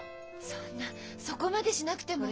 そんなそこまでしなくても。